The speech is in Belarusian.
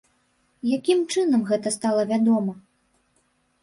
Якім чынам гэта стала вядома?